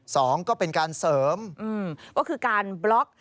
สองก็เป็นการเสริมอืมก็คือการบล็อก